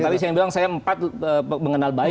tapi saya bilang empat mengenal baik